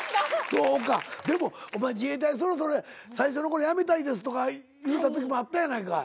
そうかでもお前自衛隊そろそろ最初の頃「やめたいです」とか言うたときもあったやないかい。